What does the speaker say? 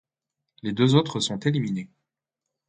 Les deux autres sont éliminés.